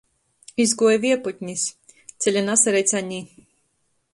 Izguoja viejputnis, ceļa nasaredz a ni.